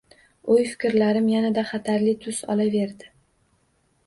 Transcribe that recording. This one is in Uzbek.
O`y-fikrlarim yanada xatarli tus olaverdi